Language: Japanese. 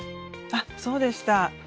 あっそうでした。